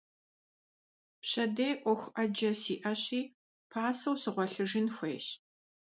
Pşedêy 'uexu 'ece si'eşi paseu sığuelhıjjın xuêyş.